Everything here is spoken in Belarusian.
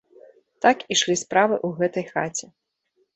Так ішлі справы ў гэтай хаце.